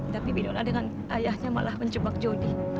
tapi winona dengan ayahnya malah menjebak jody